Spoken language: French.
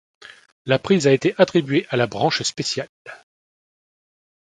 La prise a été attribuée à la Branche Spéciale.